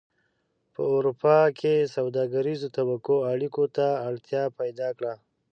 په اروپا کې سوداګریزو طبقو اړیکو ته اړتیا پیدا کړه